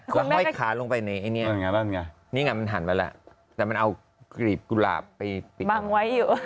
แล้วห้อยขาลงไปในไอ้เนี่ยนี่ไงมันหันไปแล้วแต่มันเอากรีบกุหลาบไปปิดบังไว้อยู่